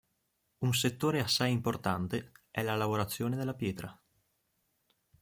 Un settore assai importante è la lavorazione della pietra.